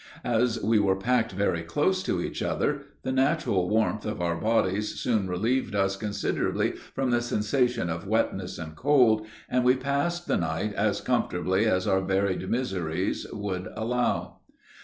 As we were packed very close to each other, the natural warmth of our bodies soon relieved us considerably from the sensation of wetness and cold, and we passed the night as comfortably as our varied miseries would allow.